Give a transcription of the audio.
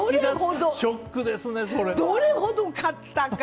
どれほど買ったか！